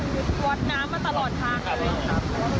อันนี้ก็เป็นช้างเพศเมียค่ะตัวแม่มีตัวแม่กับตัวลูก